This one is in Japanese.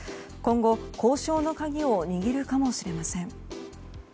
今後、交渉の鍵を握るかもしれません。